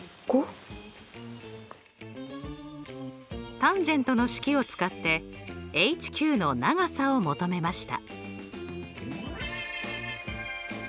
ｔａｎの式を使ってＨＱの長さを求めました。